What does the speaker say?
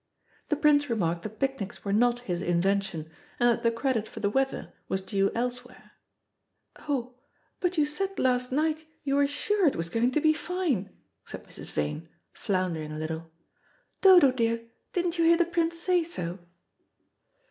The Prince remarked that picnics were not his invention, and that the credit for the weather was due elsewhere. "Oh, but you said last night you were sure it was going to be fine," said Mrs. Vane, floundering a little. "Dodo, dear, didn't you hear the Prince say so?"